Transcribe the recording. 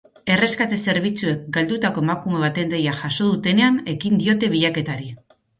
Erreskate zerbitzuek galdutako emakume baten deia jaso dutenean ekin diote bilaketari.